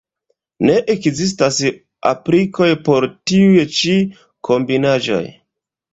Ne ekzistas aplikoj por tiuj ĉi kombinaĵoj.